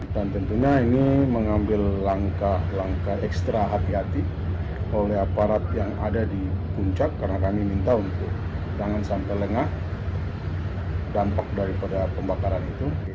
dan tentunya ini mengambil langkah langkah ekstra hati hati oleh aparat yang ada di puncak karena kami minta untuk jangan sampai lengah dampak daripada pembakaran itu